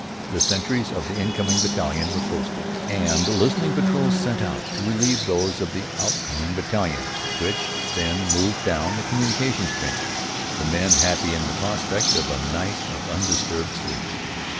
The sentries of the incoming battalion were posted, and listening patrols sent out to relieve those of the outgoing battalion, which then moved down the communication trenches, the men happy in the prospect of a night of undisturbed sleep.